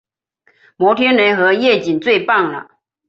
摩天轮和夜景最棒了